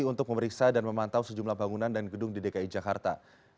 untuk memeriksa dan memantau sejumlah bangunan dan gedung di dki jakarta